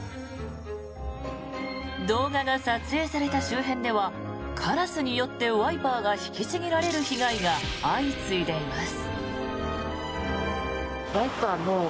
動画が撮影された周辺ではカラスによってワイパーが引きちぎられる被害が相次いでいます。